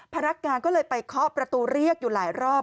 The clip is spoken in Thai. พนักงานก็เลยไปเคาะประตูเรียกอยู่หลายรอบ